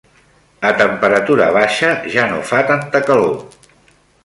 A temperatura baixa ja no fa tanta calor.